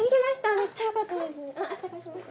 めっちゃ良かったです